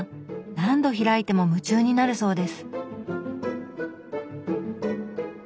何度開いても夢中になるそうです。